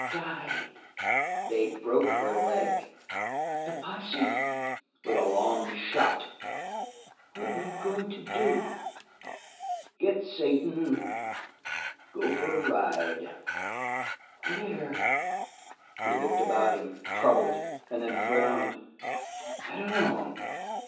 "Died." "They broke her leg." "The posse!" "With a long shot." "What are you going to do!" "Get Satan. Go for a ride." "Where?" He looked about him, troubled, and then frowned. "I dunno.